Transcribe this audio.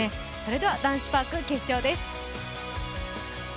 では男子パーク決勝です。